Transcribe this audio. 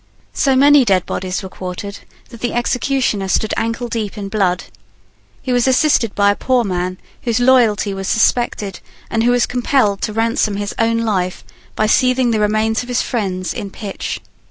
So many dead bodies were quartered that the executioner stood ankle deep in blood. He was assisted by a poor man whose loyalty was suspected, and who was compelled to ransom his own life by seething the remains of his friends in pitch.